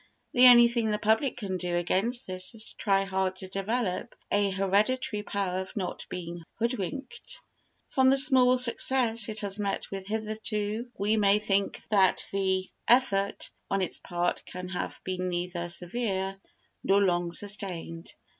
The only thing the public can do against this is to try hard to develop a hereditary power of not being hoodwinked. From the small success it has met with hitherto we may think that the effort on its part can have been neither severe nor long sustained.